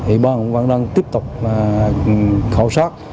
ủy ban quảng nam tiếp tục khẩu sát